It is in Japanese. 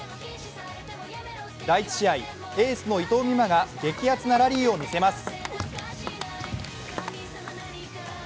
第１試合、エースの伊藤美誠が激熱なラリーを見せます。